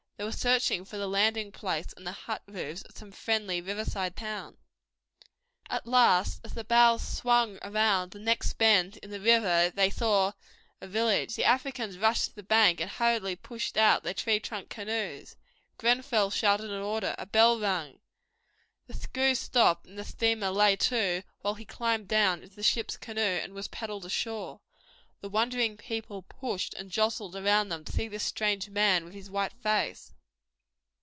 They were searching for the landing place and the hut roofs of some friendly river side town. At last as the bows swung round the next bend in the river they saw a village. The Africans rushed to the bank and hurriedly pushed out their tree trunk canoes. Grenfell shouted an order. A bell rang. The screw stopped and the steamer lay to while he climbed down into the ship's canoe and was paddled ashore. The wondering people pushed and jostled around them to see this strange man with his white face.